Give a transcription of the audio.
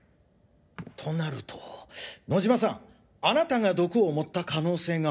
となると野嶋さんあなたが毒を盛った可能性が。